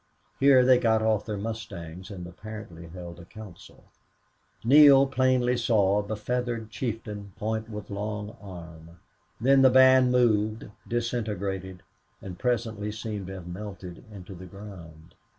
Here they got off their mustangs and apparently held a council. Neale plainly saw a befeathered chieftain point with long arm. Then the band moved, disintegrated, and presently seemed to have melted into the ground.